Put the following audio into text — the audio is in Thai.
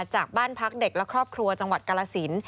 จากบ้านพักเด็กและครอบครัวจังหวัดกาลสิน